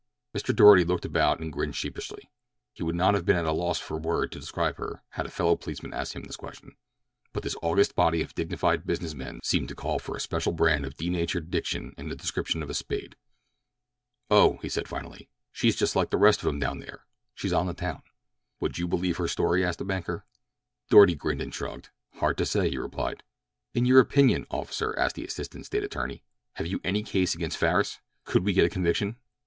Mr. Doarty looked about and grinned sheepishly. He would not have been at a loss for a word to describe her had a fellow policeman asked him this question, but this august body of dignified business men seemed to call for a special brand of denatured diction in the description of a spade. "Oh," he said finally, "she's just like the rest of 'em down there—she's on the town." "Would you believe her story?" asked the banker. Doarty grinned and shrugged. "Hard to say," he replied. "In your opinion, officer," asked the assistant State attorney, "have you any case against Farris? Could we get a conviction?"